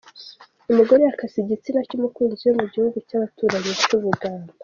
Umugore yakase igitsina cy’umukunzi we mugihugu cyabaturanyi cyubuganda